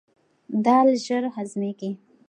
دال ژر هضمیږي.